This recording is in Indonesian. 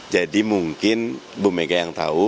jadi mungkin bumega yang tahu